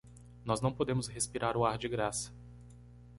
Nós não podemos respirar o ar de graça.